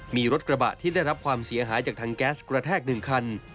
มีรถกระบะที่ได้รับความเสียหายจากทางแก๊สกระแทก๑คัน